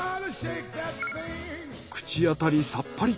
口当たりさっぱり。